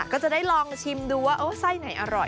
ก็จะได้ลองชิมดูว่าไส้ไหนอร่อย